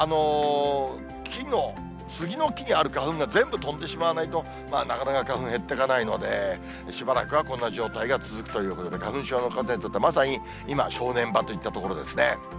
木の、スギの木にある花粉が全部飛んでしまわないと、なかなか花粉が減っていかないので、しばらくはこの状態が続くということで、花粉症の方にとっては、まさに今、正念場といったところですね。